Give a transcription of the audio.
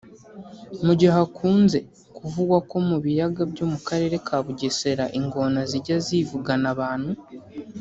Mu gihe hakunze kuvugwa ko mu biyaga byo mu Karere ka Bugesera ingona zijya zivugana abantu